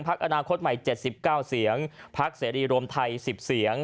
พักอนาคตใหม่เจ็ดสิบเก้าเสียงพักเสรีรวมไทยสิบเสียง